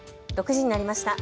６時になりました。